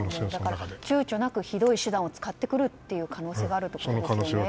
だから、躊躇なくひどい手段を使ってくる可能性があるということですよね。